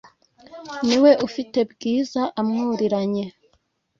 niwe ufite bwiza amwuriranye